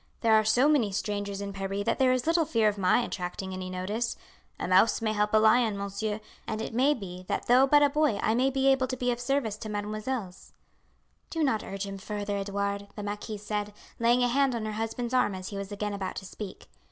There are so many strangers in Paris that there is little fear of my attracting any notice. A mouse may help a lion, monsieur, and it may be that though but a boy I may be able to be of service to mesdemoiselles." "Do not urge him further, Edouard," the marquise said, laying a hand on her husband's arm as he was again about to speak.